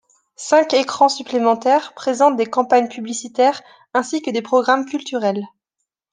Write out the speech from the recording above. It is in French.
Cinq écrans supplémentaires présentent des campagnes publicitaires ainsi que des programmes culturels.